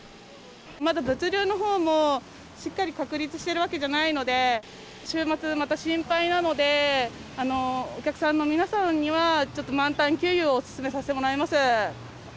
まだ物流のほうも、しっかり確立しているわけじゃないので、週末、また心配なので、お客さんの皆さんには、ちょっと満タン給油を勧めさせてもらいます。